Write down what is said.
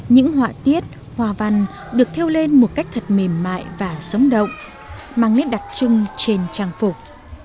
những họa tiết hoa văn được theo lên một cách thật mềm mại và sống động mang nét đặc trưng trên trang phục